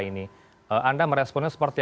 ini anda meresponnya seperti